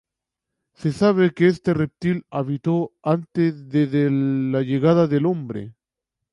Se sabe que este reptil habitó desde antes de la llegada del hombre.